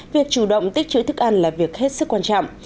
việc chủ động tích chữ thức ăn là việc hết sức quan trọng